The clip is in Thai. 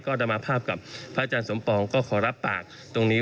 ก็นำมาภาพกับพระอาจารย์สมปองก็ขอรับปากตรงนี้